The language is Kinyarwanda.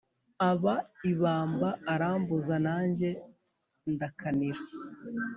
Aba ibamba arambuza nanjye ndakanira